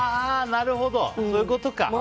なるほど、そういうことか。